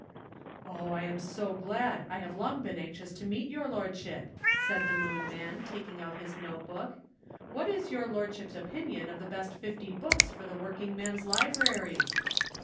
"Oh, I am so glad! I have long been anxious to meet your lordship," said the Moon man, taking out his notebook. "What is your lordship's opinion of the best fifty books for the working man's library?"